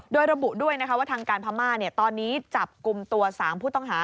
โดยระบุด้วยนะคะว่าทางการพม่าตอนนี้จับกลุ่มตัว๓ผู้ต้องหา